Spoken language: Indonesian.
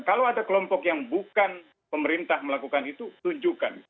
kalau ada kelompok yang bukan pemerintah melakukan itu tunjukkan